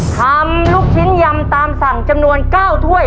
ทำลูกชิ้นยำตามสั่งจำนวน๙ถ้วย